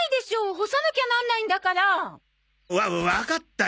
干さなきゃなんないんだから。わわかったよ。